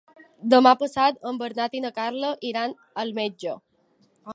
Demà passat en Bernat i na Carla iran al metge.